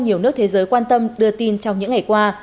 nhiều nước thế giới quan tâm đưa tin trong những ngày qua